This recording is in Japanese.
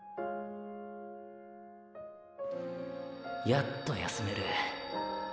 やっと休める。